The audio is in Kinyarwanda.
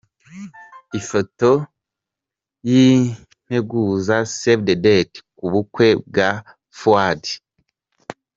Ifoto y'integuza "Save The Date" ku bukwe bwa Fuade.